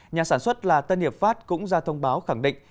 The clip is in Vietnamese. nhà sản xuất là tân hiệp pháp cũng ra thông báo khẳng định